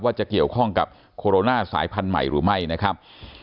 จะเกี่ยวข้องกับโคโรนาสายพันธุ์ใหม่หรือไม่นะครับ